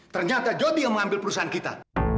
ternyata jodi yang mengambil perusahaan kita